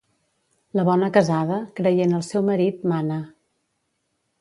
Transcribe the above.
La bona casada, creient el seu marit, mana.